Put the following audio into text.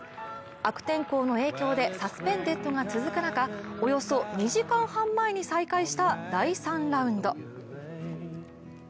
悪天候の影響でサスペンデッドが続く中、およそ２時間半前に再開した第３ラウンド。